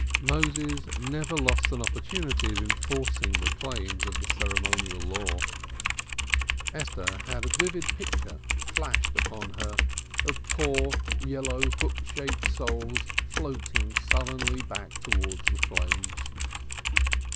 Moses never lost an opportunity of enforcing the claims of the ceremonial law. Esther had a vivid picture flashed upon her of poor, yellow hook shaped souls floating sullenly back towards the flames.